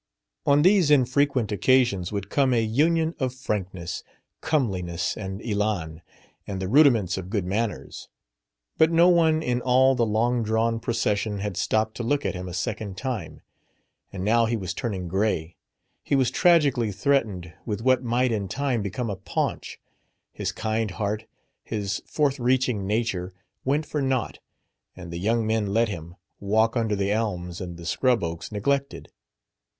On these infrequent occasions would come a union of frankness, comeliness and élan, and the rudiments of good manners. But no one in all the long drawn procession had stopped to look at him a second time. And now he was turning gray; he was tragically threatened with what might in time become a paunch. His kind heart, his forthreaching nature, went for naught; and the young men let him, walk under the elms and the scrub oaks neglected.